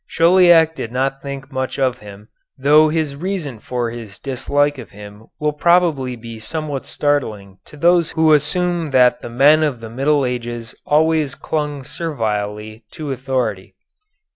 Chauliac did not think much of him, though his reason for his dislike of him will probably be somewhat startling to those who assume that the men of the Middle Ages always clung servilely to authority.